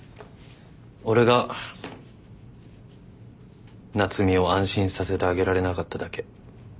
俺が夏海を安心させてあげられなかっただけ。